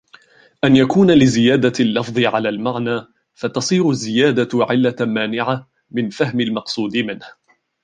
أَنْ يَكُونَ لِزِيَادَةِ اللَّفْظِ عَلَى الْمَعْنَى فَتَصِيرُ الزِّيَادَةُ عِلَّةً مَانِعَةً مِنْ فَهْمِ الْمَقْصُودِ مِنْهُ